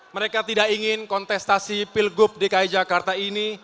mereka tidak ingin kontestasi pilgub dki jakarta ini